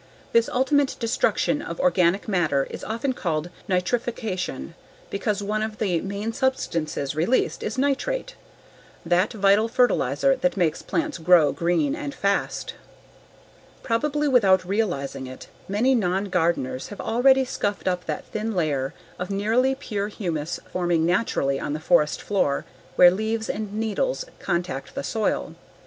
This ultimate destruction of organic matter is often called nitrification because one of the main substances released is nitrate that vital fertilizer that makes plants grow green and fast. Probably without realizing it, many non gardeners have already scuffed up that thin layer of nearly pure humus forming naturally on the forest floor where leaves and needles contact the soil.